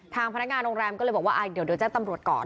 พนักงานโรงแรมก็เลยบอกว่าเดี๋ยวแจ้งตำรวจก่อน